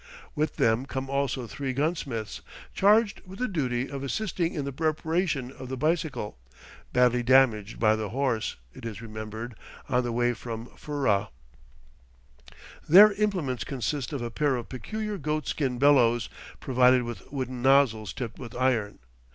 With them come also three gunsmiths, charged with the duty of assisting in the reparation of the bicycle, badly damaged by the horse, it is remembered, on the way from Furrah. Their implements consist of a pair of peculiar goat skin bellows, provided with wooden nozzles tipped with iron.